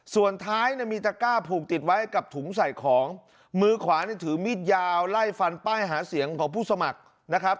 ส่วนท้ายเนี่ยมีตะก้าผูกติดไว้กับถุงใส่ของมือขวาเนี่ยถือมีดยาวไล่ฟันป้ายหาเสียงของผู้สมัครนะครับ